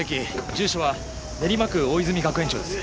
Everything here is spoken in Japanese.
住所は練馬区大泉学園町です。